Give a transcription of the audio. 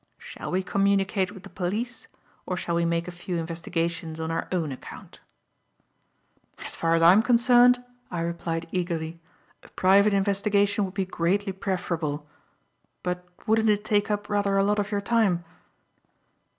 Shall we communicate with the police, or shall we make a few investigations on our own account?" "As far as I am concerned," I replied eagerly, "a private investigation would be greatly preferable. But wouldn't it take up rather a lot of your time?"